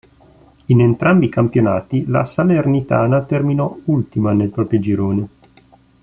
In entrambi i campionati la Salernitana terminò ultima nel proprio girone.